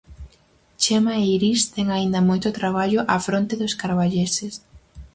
Chema Eirís ten aínda moito traballo á fronte dos carballeses.